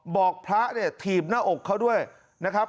พระเนี่ยถีบหน้าอกเขาด้วยนะครับ